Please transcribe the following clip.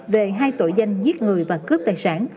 về hai tội danh giết người và cướp tài sản